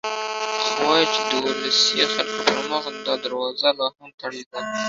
خو وايي چې د ولسي خلکو پر مخ دا دروازه لا هم تړلې ده.